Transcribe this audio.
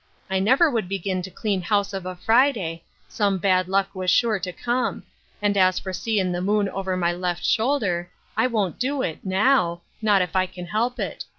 I never would begin to clean house of a Friday — some bad luck was sure to come ; and as for seein' the moon over my left shoulder, I won't do it, now — not if I can help it.